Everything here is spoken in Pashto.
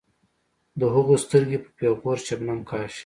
د هغو سترګې په پیغور شبنم کاږي.